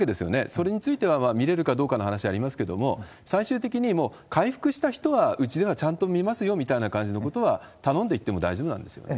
それについては、診れるかどうかの話ありますけれども、最終的に、もう回復した人は、うちではちゃんと診ますよみたいな感じのことは、頼んでいっても大丈夫なんですよね？